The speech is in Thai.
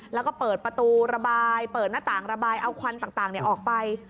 แล้วก็เปิดประตูระบายเปิดหน้าต่างระบายเอาควันต่างออกไป